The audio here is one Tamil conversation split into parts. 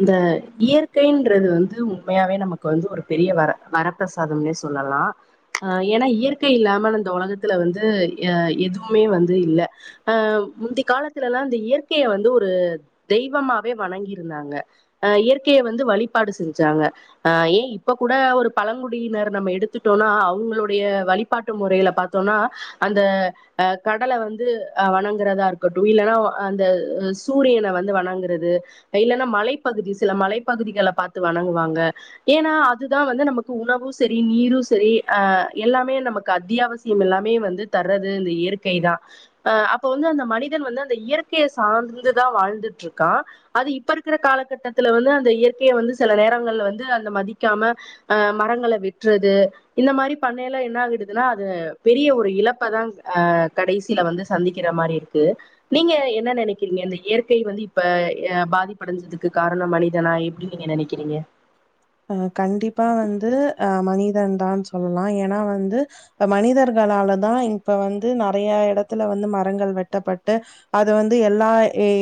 இந்த இயற்கைன்றது வந்து உண்மயாவே நமக்கு வந்து ஒரு பெரிய வர வரப்பிரசாத மிஸ் சொல்லாம் ஆ ஏன்னா இயற்கை இல்லாமல் இந்த உலகத்துல வந்து எதுவுமே வந்து இல்ல ஆ முந்தி காலத்துல்லா இந்த இயற்கைய வந்து ஒரு தெய்வமாவே வணங்கிருந்தாங்க இயற்கைய வந்து வழிபாடு செஞ்சாங்க ஆ ஏ இப்ப கூட ஒரு பழங்குடியினர் நம்ம எடுத்துட்டோம்னா அவுங்களுடைய வழிபாட்டு முறையில பாத்தோம்னா அந்த அ கடல வந்து அ வணங்குறதா இருக்கட்டு இல்லன்னா அந்த சூரியனை வந்து வணங்குறது இல்லன்னா மழை பகுதி சில மலைப்பகுதிகள பாத்து வணங்குவாங்க ஏன்னா அதுதான் வந்து நமக்கு உணவு சரி நீரு சரி அ எல்லாமே நமக்கு அத்தியாவசியம் எல்லாமே வந்து தர்றது இந்த இயற்கை தான் அஹ அப்ப வந்து அந்த மனிதன் வந்து அந்த இயற்கைய சார்ந்துதான் வாழ்ந்துற்று இருக்கான் அது இப்ப இருக்கிற கால கத்து வந்து அந்த இயற்கையை வந்து சில நேரங்கள்ல வந்து அந்த மதிக்காம அ மரங்கள வெட்றது இந்த மாரி பண்ணயல்லா என்ன ஆகடுதுன்னா அது பெரிய ஒரு இழப்பதான அ கடைசியில வந்து சந்திக்கிற மாரி இருக்கு நீங்க என்ன நினைக்கிறீங்க இந்த இயற்கை வந்து இப்ப பாதிப்படஞ்சதுக்கு இதுக்கு காரணமா மனிதனா எப்டினு நீங்க நெனக்கிறீங்க அ கண்டிப்பா வந்து அ மனிதன் தான்னு சொல்லா ஏன்னா வந்து மனிதர்களாலதான் இப்ப வந்து நெறையா இடத்துல வந்து மரங்கள் வெட்டப்பட்டு அது வந்து எல்லா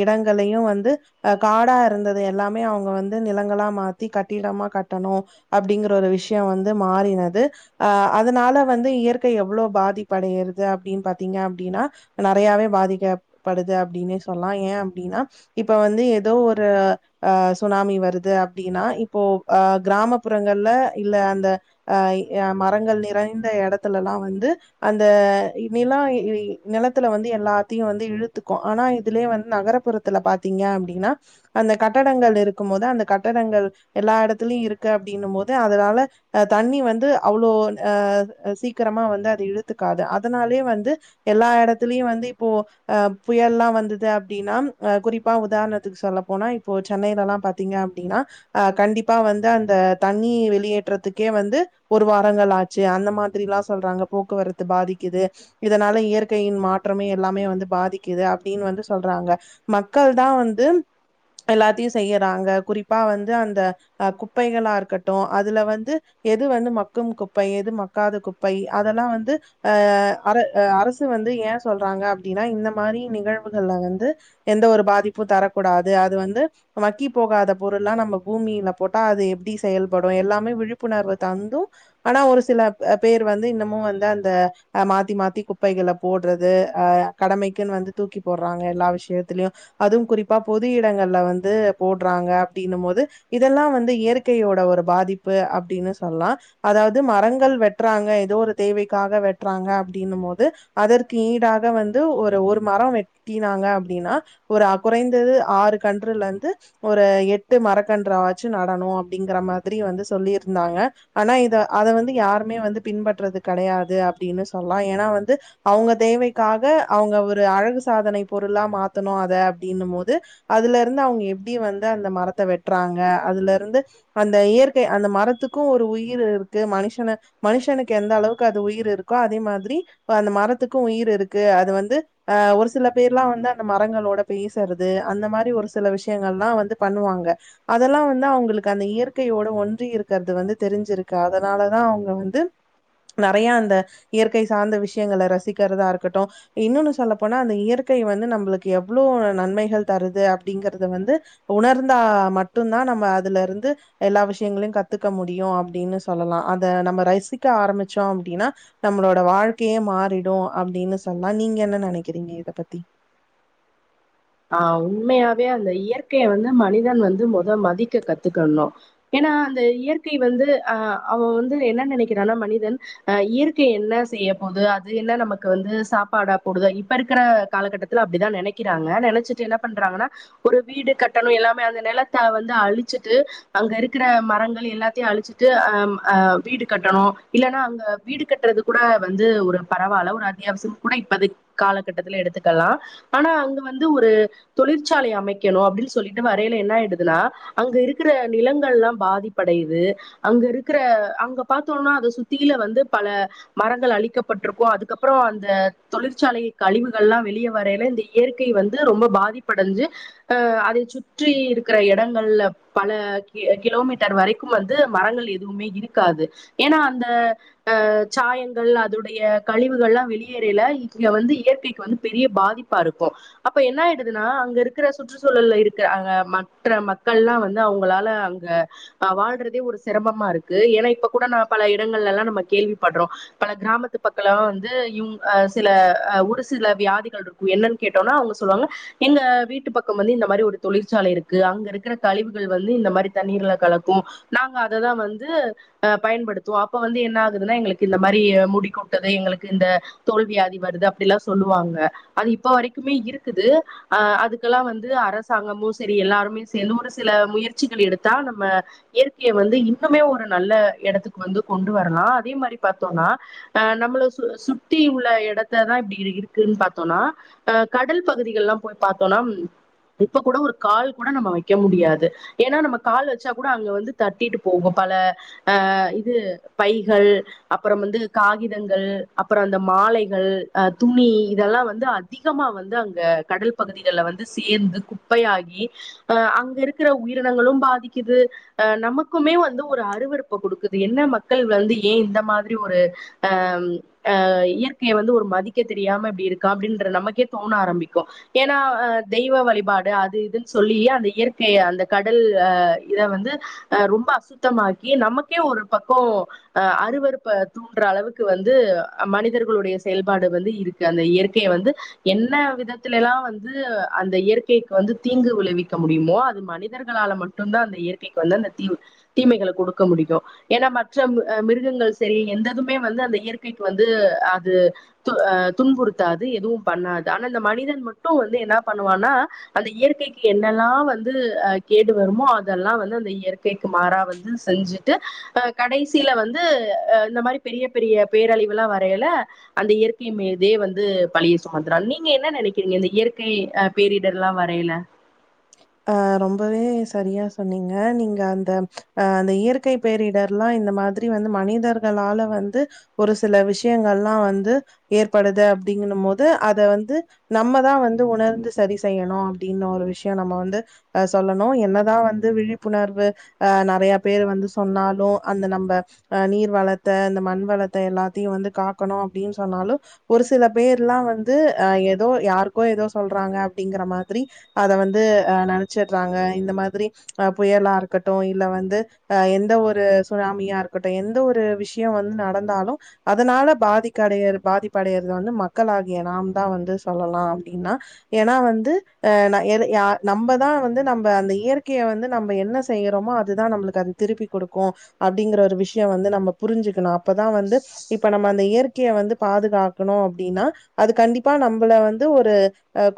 இடங்களையும் வந்து அ காடா இருந்தது எல்லாமே அவுங்க வந்து நிலங்களா மாத்தி கட்டிடமா கட்டணு அப்டிங்குற ஒரு விஷய வந்து மாறினது அ அதனால வந்து இயற்கை எவ்வளவு பாதிப்படைகிறது அப்பிடின் பாத்தீங்க அப்பிடின்னா நெறையாவே பாதிக்கப்படுது அப்பிடின்னே சொல்லலா ஏன் அப்பிடின்னா இப்ப வந்து ஏதோ ஒரு அ சுனாமி வருது அப்டின்னா இப்போ அ கிராமப்புறங்கள்ல இல்ல அந்த அஹ மரங்கள் நெறைந்த இடத்துலல்லா வந்து அந்த நில நிலத்துல வந்து எல்லாத்தையும் வந்து இழுத்துக்கும் ஆனா இதுலயே வந்து நகர்புறத்துல பாத்தீங்க அப்பிடின்னா அந்த கட்டடங்கள் இருக்கும் போது அந்த கட்டடங்கள் எல்லா இடத்து இதிலி இருக்க அப்படின்னு போது அதனால் தண்ணி வந்து அவ்ளோ அ சீக்கிரமா வந்து அது இழுத்துக்காது அதனாலே வந்து எல்லா இடத்துலயும் வந்து இப்போ அஹ புயல் எல்லா வந்தது அப்டின்னா குறிப்பா உதாரணத்துக்கு சொல்லப்போனா இப்போ சென்னையில எல்லா பாத்தீங்க அப்படின்னா ஹ கண்டிப் குறிப்பா வந்து அந்த தண்ணி வெளியேற்றதுக்கே வந்து ஒரு வாரங்கள் ஆச்சு அந்த மாரி எல்லா சொல்றாங்க போக்குவரத்து பாதிக்குது இதனால இயற்கையின் மாற்றமே எல்லாமே வந்து பாதிக்குது அப்டின்னு வந்து சொல்றாங்க மக்கள் தா வந்து எல்லாத்தையும் செய்யிறாங்க குறிப்பா வந்து அந்த அ குப்பைகளா இருக்கட்டும் அதுல வந்து எது வந்து மக்கும் குப்பை எது மக்காத குப்பை அதெல்லாம் வந்து அ அரசு வந்து ஏன் சொல்றாங்க அப்பிடின்னா இந்த மாரி நிகழ்வுகள்ல வந்து எந்த ஒரு பாதிப்பு தரக்கூடாது அது வந்து மக்கி போகாத பொருளா நம்ம பூமியில போட்டா அது எப்டி செயல்படும் எல்லாமே விழிப்புணர்வு தந்து ஆனா ஒரு சில பேர் வந்து இன்னமும் வந்து அந்த ஹ மாத்தி மாத்தி குப்பைகள போடுறது அ கடமைக்குன்னு வந்து தூக்கி போடுறாங்க எல்லா விஷயத்திலயும் அதுவும் குறிப்பா பொது இடங்கள்ல வந்து போடுறாங்க அப்பிடின்னு போது இதெல்லா வந்து இயற்கையோட ஒரு பாதிப்பு அப்பிடின்னு சொல்லா அதாவது மரங்கள் வெட்டுறாங்க எதோ ஒரு தேவைக்காக வெட்டுறாங்க அப்பிடின்னு போது அதற்கு ஈடாக வந்து ஒரு ஒரு மர வெட்டினாங்க அப்பிடின்னா ஒரு குறைந்தது ஆறு கன்றுல இருந்து ஒரு எட்டு மரக்கன்றா பஸ்டு நடனு அப்பிடிங்குற மாரி வந்து சொல்லிருந்தாங்க ஆனா இத அத வந்து யாருமே வந்து பின்பற்றது கெடையாது அப்பிடின்னு சொல்லாம் ஏன்னா வந்து அவுங்க தேவைக்காக அவுங்க ஒரு அழகு சாதன பொருளா மாத்தணு அத அப்பிடின்னும் போது அதுல இருந்து அவுங்க எப்பிடி வந்து அந்த மரத்த வெட்றாங்க அதுல இருந்து அந்த இயற்கை அந்த மரத்துக்கு ஒரு உயிர் இருக்கு மனுஷன மனுஷனுக்கு எந்த அளவுக்கு அது உயிர் இருக்கோ அதே மாரி அந்த மரத்துக்கு உயிர் இருக்கு அது வந்து அ ஒரு சில பேர்லா வந்து அந்த மரங்களோட பேசுறது அந்த மாரி ஒரு சில விஷயங்களெல்லா வந்து பண்ணுவாங்க அதெல்லா வந்து அவுங்களுக்கு அந்த இயற்கையோட ஒன்றி இருக்கிறது வந்து தெரிஞ்சிருக்கு அதனாலதா அவுங்க வந்து நெறைய அந்த இயற்கை சார்ந்த விஷயங்களை ரசிக்கிறதா இருக்கட்டு இன்னொன்னு சொல்லப்போனா அந்த இயற்கை வந்து நம்புளுக்கு எவ்வளோட நன்மைகள் தருது அப்பிடிங்கறத வந்து உணர்ந்தா மட் மட்டு தான் நம்ம அதுல இருந்து எல்லா விஷயங்களையும் கத்துக்க முடியு அப்பிடின்னு சொல்லாம் அத நம்ம ரசிக்க ஆரம்பிச்சோ அப்பிடின்னா நம்மளோட வாழ்க்கையே மாறிடு அப்பிடின்னு சொன்னா நீங்க என்ன நினைக்கிறீங்க இத பத்தி ஹ உண்மயாவே அந்த இயற்கைய வந்து மனிதன் வந்து மொத மதிக்க கத்துக்கணு ஏன்னா அந்த இயற்கை வந்து அ அவன் வந்து என்ன நினைக்கிறான்னா மனிதன் அ இயற்கை என்ன செய்ய போது அது என்ன நமக்கு வந்து சாப்பாடா போடுத இப்ப இருக்கிற காலகட்டத்துல அப்பிடிதா நெனைக்கிறாங்க நை என்னறாங்க ஒரு வீடு கட்டணும் எ நிலத்தை வ அழிச்சிட்டு அங்க இருக்கிற மரங்கள் எல்லாத்தீ இற வீடு கட்டணும் இல்லன்னா வீடு வந்து பரவில்ல அத்தியாவசியம் காலட்ட எடுத்துக்கலாம்னா வந்து ஒரு தொழிற்சாலை அமைக்கணும் அப்பிடின் சொல்லிட்டு வரையில என்ன ஆயிடுதுன்னா அங்க இருக்கிற நிலங்கள் எல்லா பாதிப்படையுது அங்க இருக்கிற அங்க பாத்தோமுனா அத சுத்தில வந்து பல மரங்கள் அழிக்கப்பட்டிருக்கு அதுக்கப்புறம் அந்த தொழிற்சாலை கழிவுகள் எல்லா வெளியே வரையில இந்த இயற்கை இ வந்து ரொம்ப பாதிப்படைஞ்சு அ அத சுற்றி இருக்கிற இடங்கள்ல பல கிலோமீட்டர் வரைக்கும் வந்து மரங்கள் எதுவுமே இருக்காது ஏன்னா அந்த அ சாயங்கள் அதனுடைய கழிவுகள் எல்லா வெளியேறல இங்க வந்து இயற்கைக்கு வந்து பெரிய பாதிப்பா இருக்கு அப்போ அப்ப என்ன ஆயிடுதுன்னா அங்க இருக்குற சுற்றுச்சூழல் இருக்கிற அங்க மற்ற மக்கள்லா வந்து அவுங்களால அங்க் வாழ்றதே ஒரு சிரமமா இருக்கு ஏன்னா இப்ப கூட ந பல இடங்கள்ல எல்லா நம்ம கேள்விப்படுறோம் பல கிராமத்து பக்கலெல்லா வந்து இ சில ஒரு சில வியாதிகள் இருக்கு என்னன் கேட்டோம்னா அவுங்க சொல்லுவாங்க எங்க வீட்டு பக்க வந்து இந்த மாரி ஒரு தொழிற்சாலை இருக்கு அங்க இருக்கிற கழிவுகள் வந்து இந்த மாரி தண்ணீர்ல கலக்கும் நாங்க அததான் வந்து ஹ பயன்படுத்துவோம் அப்ப வந்து என்ன ஆகுதுன்னா எங்களுக்கு இந்த மாரி முடிகொட்டுது எங்களுக்கு இந்த தோல்வியாதி வருது அப்பிடெலா சொல்லுவாங்க அது இப்ப வரைக்கு மே இருக்குது அ அதுக்கெல்லா வந்து அரசாங்கமு செரி எல்லாருமே சேர்ந்து ஒரு சில முயற்சிகள் எடுத்தா நம்ம இயற்கையை வந்து இன்னுமே ஒரு நல்ல இடத்துக்கு வந்து கொண்டு வரலாம் அதே மாரி பாத்தோம்னா அஹ நம்மள சு சுத்தி உள்ள இடத்ததா இப்டி இருக்குன்னு பாத்தோம்னா அ கடல் பகுதிகள் எல்லாம் போய் பாத்தோம்னா இப்ப கூட ஒரு கால் கூட நம்ம வைக்க முடியாது ஏன்னா நம்ம கால் வச்சா கூட அங்க வந்து தட்டிட்டு போவோம் பல ஆ இது பைகள் அப்பறம் வந்து காகிதங்கள் அப்புறம் அந்த மாலைகள் அ துணி இதெல்லாம் வந்து அதிகமா வந்து அங்க கடல் பகுதிகளல வந்து சேர்ந்து குப்பையாகி அஹ அங்க இருக்கிற உயிரினங்களு பாதிக்குது அஹ நமக்குமே வந்து ஒரு அருவறுப்ப கொடுக்குது என்ன மக்கள் வந்து ஏன் இந்த மாரி ஒரு அஹஹ இயற்கையை வந்து ஒரு மதிக்க தெரியாம எப்பிடி இருக்க அப்பிடின் நமக்கே தோணம் ஆரம்பிக்கு ஏன்னா தெய்வ வழிபாடு அது இதுன்னு சொல்லி அந்த இயற்கைய அந்த கடல் இத வந்து ரொம்ப அசுத்தமாக்கி நமக்கே ஒரு பக்கோ அறுவறுப்ப தூன்ற அளவுக்கு வந்து மனிதர்களுடைய செயல்பாடு வந்து இருக்கு அந்த இயற்கையை வந்து என்ன விதத்துல எல்லா வந்து அந்த இயற்கைக்கு வந்து தீங்கு விளைவிக்க முடியுமோ அது மனிதர்களால மட்டும்தா அந்த இயற்கைக்கு வந்து அந்த தீ தீமைகளை கொடுக்க முடியும் ஏன்னா மற்ற மிருகங்கள் சரி எந்ததுமே வந்து அந்த இயற்கைக்கு வந்து அது அ துன்புறுத்தாது எதுவும் பண்ணாது ஆனா இந்த மனிதன் மட்டும் வந்து என்ன பண்ணுவானா அந்த இயற்கைக்கு என்னெல்லாம் வந்து அ கேடு வருமோ அதெல்லாம் வந்து அந்த இயற்கைக்கு மாறா வந்து செஞ்சுட்டு அ கடைசியில வந்து இந்த மாரி பெரிய பெரிய பேரழிவுலாம் வரையல அந்த இயற்கை மீதே வந்து பழிய ம்ச நீங்க என்ன நினைக்கிறீங்க இந்த இயற்கை அ பேரிடர் எல்லா வரையில அ ரொம்பவே சரியா சொன்னீங்க நீங்க அந்த அ அந்த இயற்கை பேரிடர்ல்லா இந்த மாரி வந்து மனிதர்களால வந்து ஒரு சில விஷயங்கல்லா வந்து ஏற்படுது அப்பிடிங்கனு போது அத வந்து நம்மதா வந்து உணர்ந்து சதி செய்யணும் அப்பிடின்னு ஒரு விஷய நம்ம வந்து வந்து சொல்லணு என்னதா வந்து விழிப்புணர்வு அ நெறைய பேர் வந்து சொன்னாலு அந்த நம்ம அ நீர் வளத்த அந்த மண் வளத்த எல்லாத்தையு வந்து காக்கணு அப்பிடின்னு சொன்னாலு ஒரு சில பேர் எல்லா வந்து அ ஏதோ யாருக்கோ ஏதோ சொல்றாங்க அப்பிடிங்கிற மாதிரி அத வந்து நினைச்சடுறாங்க இந்த மாரி அ புயலா இருக்கட்டு இல்ல வந்து அஹ எந்த ஒரு சுனாமியா இருக்கட்டு எந்த ஒரு விஷய வந்து நடந்தாலு அதனால பாதிக்கடைய பாதிப்படையறது வந்து மக்களாகிய நாம் தான் வந்து சொல்லலா அப்பிடின்னா ஏன்னா வந்து அ யா நம்பதா வந்து நம்ப அந்த இயற்கைய வந்து நம்ப என்ன செய்யுறோமோ அதுதான் நம்மளுக்கு அது திருப்பி கொடுக்கு அப்பிடிங்கிற ஒரு விஷய வந்து நம்ப புரிஞ்சுக்கணு அப்பதா வந்து இப்ப நம்ப அந்த இயற்கைய வந்து பாதுகாக்கணு அப்பிடின்னா அது கண்டிப்பா நம்பள வந்து ஒரு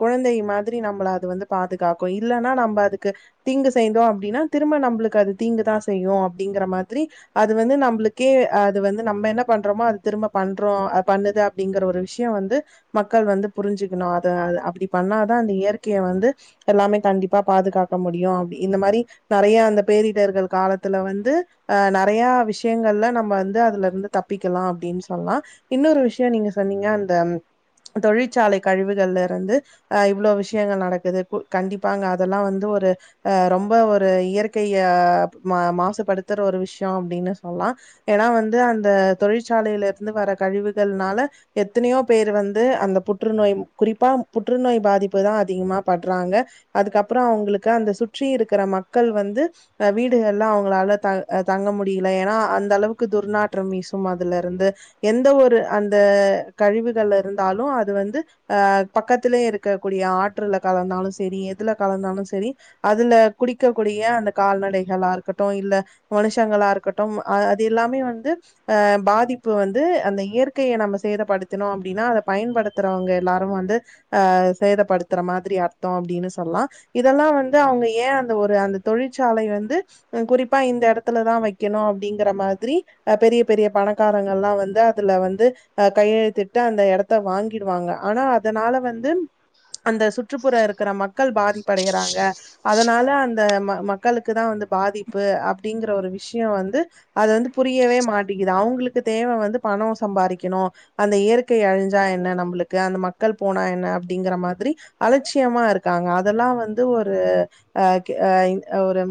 கெழந்தை மாதிரி நம்பள அது வந்து பாதுகா கா கோ இல்ன்னா நம்ம அதுக்கு தீங்கு செய்தோ அப்பிடின்னா திரும்ப நம்மளுக்கு அது தீங்குதா செய்யு அப்பிடிங்கிற மாரி அது வந்து நம்பளுக்கே அது வந்து நம்ப என்ன பண்றோமோ அது திரும்ப பண்றோம் பண்ணுது அப்பிடிங்குற ஒரு விஷயம் வந்து மக்கள் வந்து புரிஞ்சுக்கணு அத அப்டி பண்ணாதா அந்த இயற்கைய வந்து எல்லாமே கண்டிப்பா பாதுகாக்க முடியு அப்டி இந்த மாரி நெறைய அந்த பேரிடர்கள் காலத்துல வந்து அ நெறைய விஷயங்கள்ல நம்ம வந்து அதுல இருந்து தப்பிக்கலா அப்பிடின்னு சொல்லலா இன்னொரு விஷய நீங்க சொன்னீங்க அந்த தொழிற்சாலை கழிவுகள்ல இருந்து அ இவ்வளவு விஷயங்கள் நடக்குது கண்டிப்பாங்க அதெல்லாம் வந்து ஒரு அ ரொம்ப ஒரு இயற்கைய மா மாசுபடுத்துற ஒரு விஷயம் அப்பிடின்னு சொல்லலாம் ஏன்னா வந்து அந்த தொழிற்சாலையில இருந்து வர கழிவுகள்னால எத்தனையோ பேர் வந்து அந்த புற்றுநோய் குறிப்பா புற்றுநோய் பாதிப்பு தா அதிகமா பட்றாங்க அதுக்கப்புறம் அவங்களுக்கு அந்த சுற்றி இருக்கிற மக்கள் வந்து அ வீடுகள்ல அவுங்களால த் தங்க முடியல ஏன்னா அந்த அளவுக்கு துர்நாற்ற வீசு அதுல இருந்து எந்த ஒரு அந்த கழிவுகள் இருந்தாலும் அது வந்து அ பக்கத்திலயே இருக்கக்கூடிய ஆற்றுல கலந்தாலு சரி செரி எதுல கலந்தாலு செரி அதுல குடிக்கக்க கூடிய அந்த கால்நடைகளா இருக்கட்டு இல்ல மனுஷங்களா இருக்கட்டும் அ அது எல்லாமே வந்து அ பாதிப்பு வந்து அந்த இயற்கைய நம்ம சேதப்படுத்தினோ அப்பிடின்னா அத பயன்படுத்துறவங்க எல்லாரு வந்து அஹ சேதப்படுத்துற மாரி அப்படின்னு சொல்லா இதெல்லாம் வந்து அவங்க ஏன் அந்த ஒரு அந்த தொழிற்சாலை வந்து குறிப்பா இந்த இடத்துலதான் வைக்கணும் அப்படிங்கிற மாதிரிஹ பெரிய பெரிய பணக்காரங்கள் எல்லாம் வந்து அதுல வந்து அஹ் கையெழுத்தட்டு அந்த இடத்த வாங்கிடுவாங்க ஆனா அதனால வந்து அது அந்த சுற்றுப்புற இருக்க மக்கள் பாதிப்படைகிறாங்க அதனால அந்த மக்களுக்கு தான் வந்து பாதிப்பு அப்படிங்கிற ஒரு விஷயோ வந்து அதவது வந்து புரியவே மாட்டங்கிது அவங்களுக்கு தேவ வந்து பணம் சம்பாதிக்கணும் அந்த இயற்கை அழிஞ்சா என்ன நம்மளுக்கு அந்த மக்கள் போனா என்ன அப்படிங்கிற மாதிரி அலச்சி யம இருக்காங்க அதெல்லா வந்து ஒரு அஹ ஒரு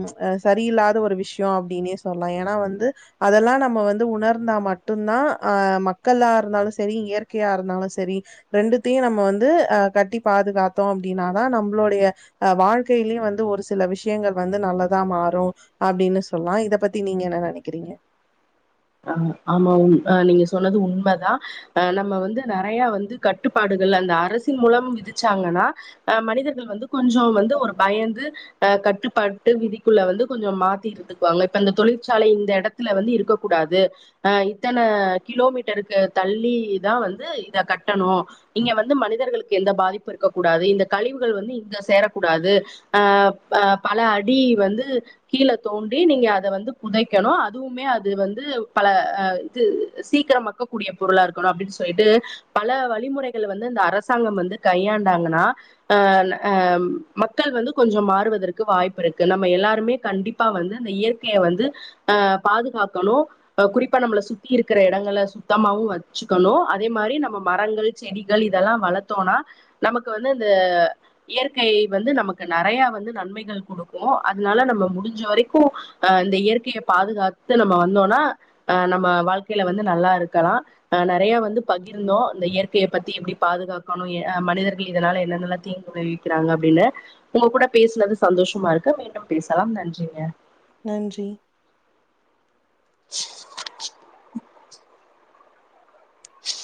சரியில்லாத ஒரு விஷயோஅப்படினே சொல்லலாம் ஏன்னா வந்து அதெல்லாம் நம்ம வந்து உணர்ந்தா மட்டும்தா தான் அஹ் மக்களா இருந்தாலும் சரி இயற்கையா இருந்தாலும் சரி ரெண்டுத்தையும் நம்ம வந்து அஹ் கட்டி பாதுகாத்தோம் அப்படின்னாதான் நம்மளோடைய அஹ் வாழ்க்கையிலயும் வந்து ஒரு சில விஷயங்கள் வந்து நல்லதா மாறும் அப்படின்னு சொல்லலாம் இத பத்தி நீங்க என்ன நினைக்கிறீங்க ஹ் ஆமா உண் ஆஹ் நீங்க சொன்னது உண்மைதான் அஹ் நம்ம வந்து நிறைய வந்து கட்டுப்பாடுகள் அந்த அரசின் மூலம் விதிச்சாங்கன்னா அஹ் மனிதர்கள் வந்து கொஞ்சம் வந்து ஒரு பயந்து அஹ் கட்டுப்பாட்டு விதிக்குள்ள வந்து கொஞ்சம் மாத்தி இருந்துக்குவாங்க இப்ப அந்த தொழிற்சாலை இந்த இடத்துல வந்து இருக்க இத்தனை கிலோமீட்டருக்கு தள்ளி தான் வந்து இத கட்டணும் இங்க வந்து மனிதர்களுக்கு எந்த பாதிப்பு இருக்கக்க கூடாது இந்த கழிவுகள் வந்து இங்க சேரக்கூடாது அஹ்ஹ பல அடி வந்து கீழே தோண்டி நீங்க அத வந்து புதைக்கணும் அதுவுமே அது வந்து பலஹ இது சீக்கிரமாக்கக்கூடிய பொருளா இருக்கணும் அப்படின்னு சொல்லிட்டு பல வலிமுறைகள் வந்து இந்த அரசாங்கம் வந்து கையாண்டாங்கன்னா அஹ்ஹ் மக்கள் வந்து கொஞ்சம் மாறுவதற்கு வாய்ப்பு இருக்கு நம்ம எல்லாருமே கண்டிப்பா வந்து அ இயற்கையை வந்து அஹ் பாதுகாக்கணும் குறிப்பா நம்மளை சுத்தி இருக்கிற இடங்களை சுத்தமாவும் வச்சுக்கணும் அதே மாதிரி நம்ம மரங்கள் செடிகள் இதெல்லாம் வளர்த்தோம்னா நமக்கு வந்து இந்த இயற்கை வந்து நமக்கு நிறைய வந்து நன்மைகள் கொடுக்கும் அதனால நம்ம முடிஞ்ச வரைக்கும் அஹ் இந்த இயற்கையை பாதுகாத்து நம்ம வந்தோனா அஹ் நம்ம வாழ்க்கையில வந்து நல்லா இருக்கலாம் அஹ் நிறைய வந்து பகிர்ந்தோம் இந்த இயற்கைய பத்தி எப்படி பாதுகாக்கணும்ஹ் மனிதர்கள் இதனால என்னன்னல்லா தீங்கு விளைவிக்கிறாங்க அப்படின்னு உங்க கூட பேசுினது சந்தோஷமா இருக்கு மீண்டும் பேசலாம் நன்றிங்க நன்றி செல்ல ச்சு